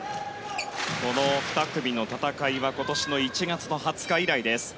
この２組の戦いは今年の１月の２０日以来です。